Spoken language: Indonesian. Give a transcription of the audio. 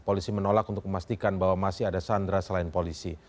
polisi menolak untuk memastikan bahwa masih ada sandra selain polisi